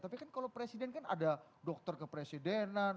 tapi kan kalau presiden kan ada dokter kepresidenan